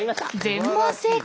全問正解！